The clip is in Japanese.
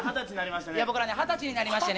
僕ら２０歳になりましてね。